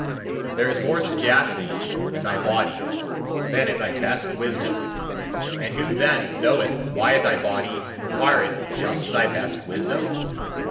There is more sagacity in thy body than in thy best wisdom. And who then knoweth why thy body requireth just thy best wisdom?